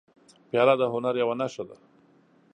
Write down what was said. پیاله د هنر یوه نښه ده.